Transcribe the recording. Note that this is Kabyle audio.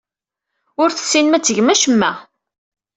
Ur tessinem ad tgem acemma.